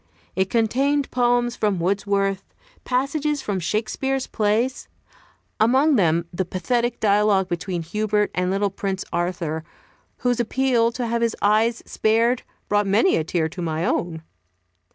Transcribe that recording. It contained poems from Wordsworth, passages from Shakespeare's plays, among them the pathetic dialogue between Hubert and little Prince Arthur, whose appeal to have his eyes spared, brought many a tear to my own.